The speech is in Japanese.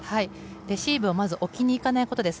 レシーブをまず置きにいかないことです。